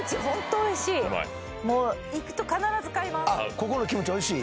ここのキムチおいしい？